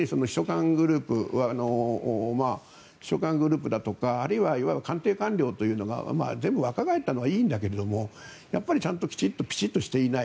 特に秘書官グループだとかあるいは官邸官僚というのが全部若返ったのはいいんだけどやっぱりちゃんときちんとピシッとしていない。